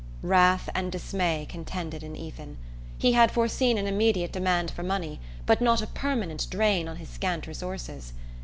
Wrath and dismay contended in Ethan. He had foreseen an immediate demand for money, but not a permanent drain on his scant resources.